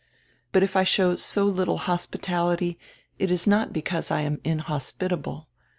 But if I show so litde hospitality it is not because I am inhospitable.